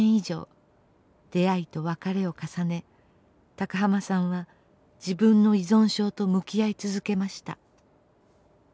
出会いと別れを重ね高浜さんは自分の依存症と向き合い続けました。